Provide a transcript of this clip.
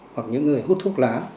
hoặc những người hút thuốc lá